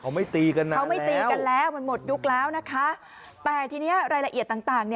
เขาไม่ตีกันนะเขาไม่ตีกันแล้วมันหมดยุคแล้วนะคะแต่ทีนี้รายละเอียดต่าง